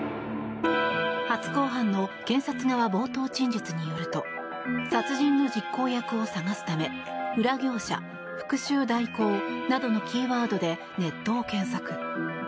初公判の検察側冒頭陳述によると殺人の実行役を探すため「裏業者復讐代行」などのキーワードでネットを検索。